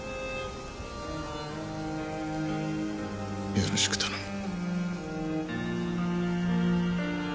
よろしく頼む。